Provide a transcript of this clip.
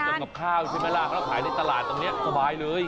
ทำกับข้าวใช่ไหมล่ะแล้วขายในตลาดตรงนี้สบายเลย